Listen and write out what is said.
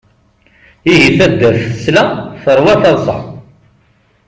Ihi taddart tesla, teṛwa taḍsa.